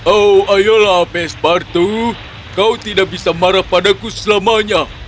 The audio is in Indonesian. oh ayolah pespartu kau tidak bisa marah padaku selamanya